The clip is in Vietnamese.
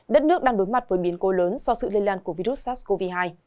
đất nước đang đối mặt với biến cố lớn do sự lây lan của virus sars cov hai